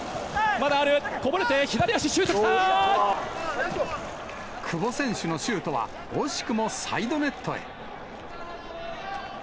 まだある、こぼれて、左足、久保選手のシュートは、惜しくもサイドネットへ。